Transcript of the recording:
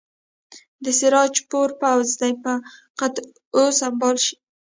د سراج پور پوځ دې په قطعو سمبال شي.